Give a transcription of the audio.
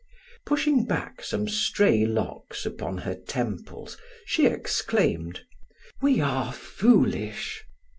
Pushing back some stray locks upon her temples, she exclaimed: "We are foolish."